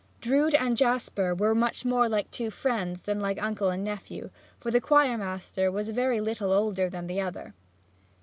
Drood and Jasper were much more like two friends than like uncle and nephew, for the choir master was very little older than the other.